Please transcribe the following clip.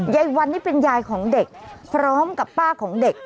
ยายวันนี่เป็นยายของเด็กพร้อมกับป้าของเด็ก